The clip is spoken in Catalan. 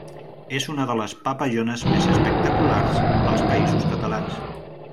És una de les papallones més espectaculars dels Països Catalans.